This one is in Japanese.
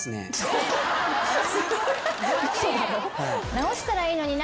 「直したらいいのにな」